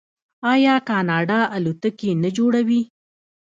آیا کاناډا الوتکې نه جوړوي؟